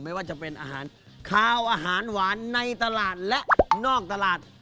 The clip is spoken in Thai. ไม่ว่าจะเป็นอาหารคาวอาหารหวานในตลาดและนอกตลาด